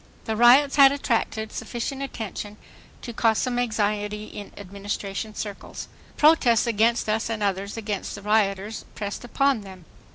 The riots had attracted sufficient attention to cause some anxiety in Administration circles. Protests against us and others against the rioters pressed upon them.